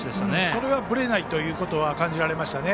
そこはぶれないというのは感じられましたね。